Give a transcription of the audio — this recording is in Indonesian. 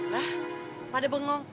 lah pada bengong